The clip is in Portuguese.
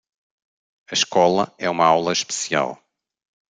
A escola é uma aula especial